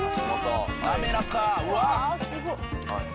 滑らか。